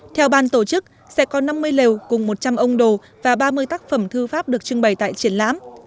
theo ban tổ chức sẽ có năm mươi lều cùng một trăm linh ông đồ và ba mươi tác phẩm thư pháp được trưng bày tại triển lãm